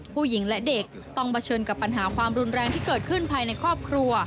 ผู้หญิงและเด็กต้องเผชิญกับปัญหาความรุนแรงที่เกิดขึ้นภายในครอบครัว